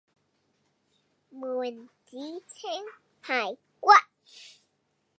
梅子蒸排骨